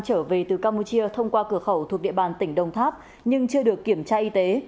trở về từ campuchia thông qua cửa khẩu thuộc địa bàn tỉnh đồng tháp nhưng chưa được kiểm tra y tế